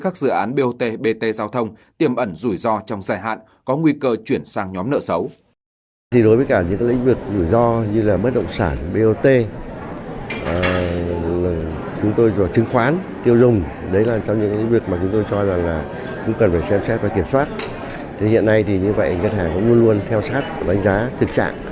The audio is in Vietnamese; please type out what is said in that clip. các dự án bot bt giao thông tiềm ẩn rủi ro trong dài hạn có nguy cơ chuyển sang nhóm nợ xấu